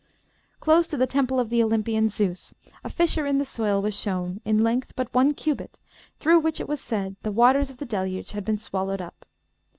Close to the temple of the Olympian Zeus a fissure in the soil was shown, in length but one cubit, through which it was said the waters of the Deluge had been swallowed up.